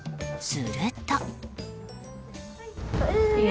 すると。